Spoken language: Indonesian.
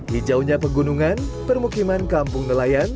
hijaunya pegunungan permukiman kampung nelayan